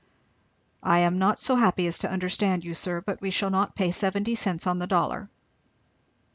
"I am not so happy as to understand you sir, but we shall not pay seventy cents on the dollar."